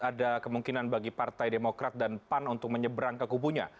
ada kemungkinan bagi partai demokrat dan pan untuk menyeberang ke kubunya